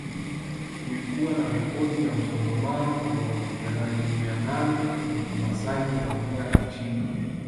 Kulikuwa na ripoti ya msongamano wa wapiganaji mia nane wa Kimasai kuhamia nchini Kenya